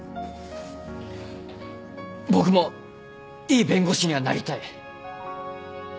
僕もいい弁護士にはなりたい。